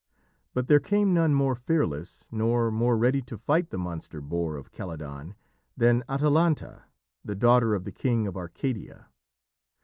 But there came none more fearless nor more ready to fight the monster boar of Calydon than Atalanta, the daughter of the king of Arcadia.